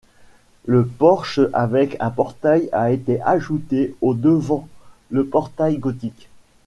Le porche avec un portail a été ajouté au devant le portail gothique.